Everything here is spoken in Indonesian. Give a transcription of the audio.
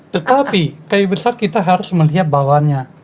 tetapi kayu besar kita harus melihat bawahnya